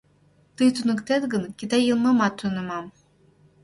— Тый туныктет гын, китай йылмымат тунемам.